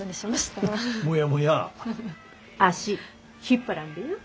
足引っ張らんでよ。